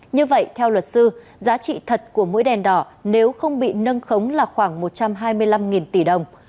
như vậy theo luật sư giá trị thật của mũi đèn đỏ nếu không bị nâng khống là khoảng một trăm hai mươi năm tỷ đồng